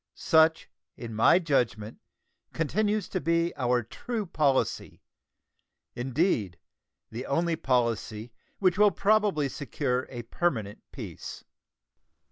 Such, in my judgment, continues to be our true policy; indeed, the only policy which will probably secure a permanent peace.